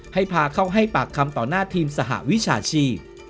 ให้พาเข้าให้ปากคำต่อหน้าทีมสหวิชาชีพ